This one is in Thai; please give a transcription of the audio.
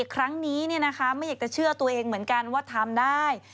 ครั้งนี้ไม่อยากจะเชื่อตัวเองเหมือนกันว่าทำได้